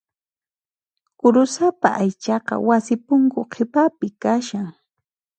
Kurusapa aychaqa wasi punku qhipapi kashan.